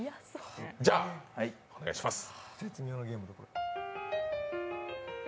じゃあ、お願いします。